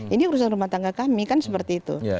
ini urusan rumah tangga kami kan seperti itu